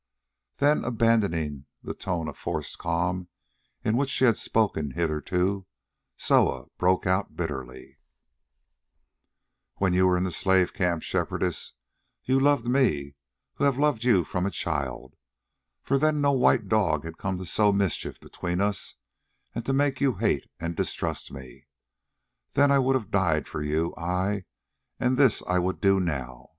Then, abandoning the tone of forced calm in which she had spoken hitherto, Soa broke out bitterly: "When you were in the slave camp, Shepherdess, you loved me who have loved you from a child, for then no white dog had come to sow mischief between us and to make you hate and distrust me. Then I would have died for you, ay, and this I would do now.